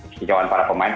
kecewaan para pemain